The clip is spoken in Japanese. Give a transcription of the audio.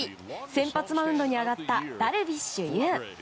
先発マウンドに上がったダルビッシュ有。